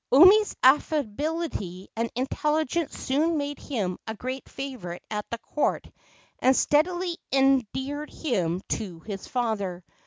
Umi's affability and intelligence soon made him a great favorite at the court and steadily endeared him to his father.